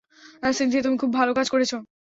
Cynthia, তুমি খুব ভালো কাজ করেছ।